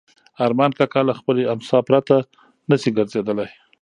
ارمان کاکا له خپلې امسا پرته نه شي ګرځېدلی.